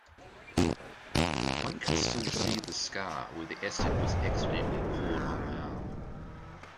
One can still see the scar where the acid was accidentally poured on my arm.